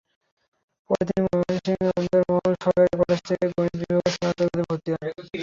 পরে তিনি ময়মনসিংহ আনন্দমোহন সরকারি কলেজ থেকে গণিত বিভাগে স্নাতকে ভর্তি হন।